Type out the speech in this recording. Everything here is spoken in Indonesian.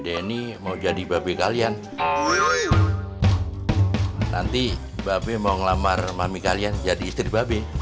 denny mau jadi babi kalian nanti babi mau ngelamar mami kalian jadi istri babe